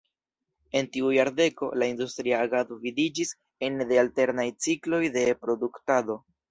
En tiu jardeko la industria agado vidiĝis ene de alternaj cikloj de produktado.